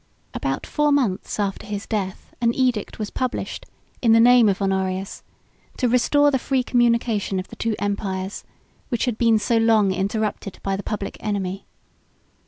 About four months after his death, an edict was published, in the name of Honorius, to restore the free communication of the two empires, which had been so long interrupted by the public enemy.